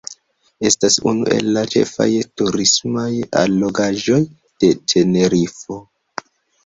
Estas unu el la ĉefaj turismaj allogaĵoj de Tenerifo.